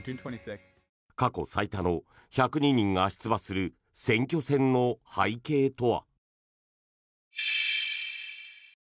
過去最多の１０２人が出馬する選挙戦の背景とは。